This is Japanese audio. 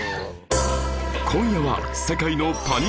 今夜は